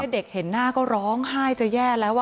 เด็กเห็นหน้าก็ร้องไห้จะแย่แล้วค่ะ